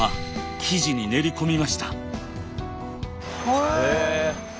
へえ！